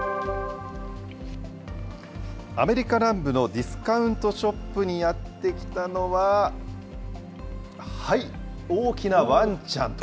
アメリカ南部のディスカウントショップにやって来たのは、はい、大きなわんちゃん。